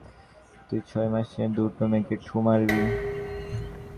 তুই ছয় মাসে দুটো মেয়েকে ঢুঁ মারবি।